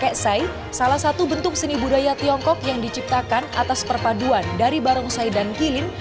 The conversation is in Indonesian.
keksai salah satu bentuk seni budaya tiongkok yang diciptakan atas perpaduan dari barongsai dan gilin